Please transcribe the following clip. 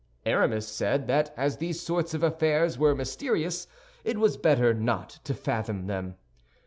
Aramis said that as these sorts of affairs were mysterious, it was better not to fathom them.